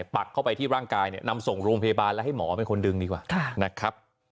ปักเข้าไปที่ร่างกายเนี่ยนำส่งโรงพยาบาลและให้หมอเป็นคนดึงดีกว่านะครับ